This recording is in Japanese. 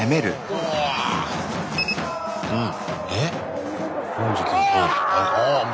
うん。